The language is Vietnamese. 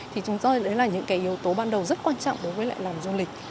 thì chúng tôi đấy là những cái yếu tố ban đầu rất quan trọng đối với lại làm du lịch